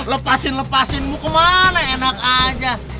lepasin lepasinmu ke mana enak aja